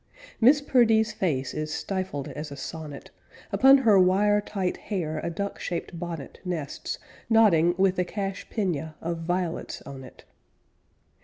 Miss Perdee's face is stifled as a sonnet; Upon her wire tight hair a duck shaped bonnet Nests, nodding with a cachepeigne Of violets on it.